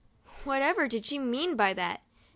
Whatever did she mean by that ?